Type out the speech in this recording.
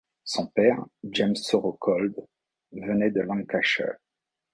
Son père, James Sorocold, venait du Lancashire.